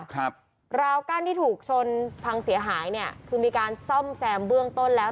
ครับราวกั้นที่ถูกชนพังเสียหายเนี่ยคือมีการซ่อมแซมเบื้องต้นแล้ว